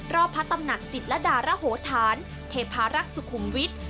พระตำหนักจิตรดารโหธานเทพารักษ์สุขุมวิทย์